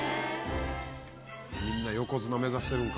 みんな横綱目指してるんか。